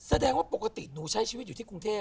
แสดงว่าปกติหนูใช้ชีวิตอยู่ที่กรุงเทพ